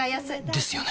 ですよね